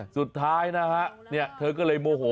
สุดท้ายนะฮะเธอก็เลยโมโห